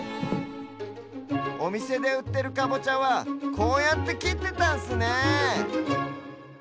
おみせでうってるかぼちゃはこうやってきってたんすねえ